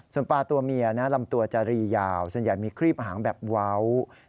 ส่วนปลาตัวเมียนะลำตัวจะรียาวส่วนใหญ่มีครีบหางแบบเว้า